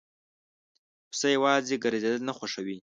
پسه یواځی ګرځېدل نه خوښوي.